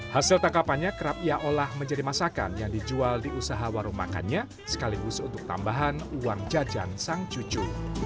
hasil tangkapannya kerap ia olah menjadi masakan yang dijual di usaha warung makannya sekaligus untuk tambahan uang jajan sang cucu